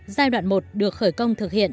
giai đoạn một được khởi công thực hiện